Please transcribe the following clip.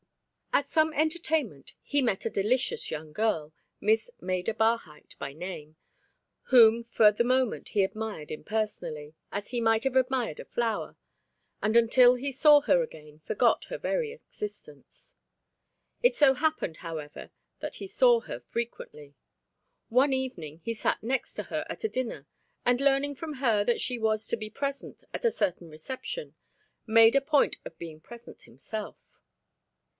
At some entertainment he met a delicious young girl, Miss Maida Barhyte by name, whom for the moment he admired impersonally, as he might have admired a flower, and until he saw her again, forgot her very existence. It so happened, however, that he saw her frequently. One evening he sat next to her at a dinner and learning from her that she was to be present at a certain reception, made a point of being present himself.